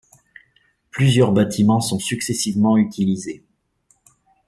Plusieurs bâtiments sont successivement utilisés.